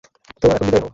তো, এখন বিদায় হও।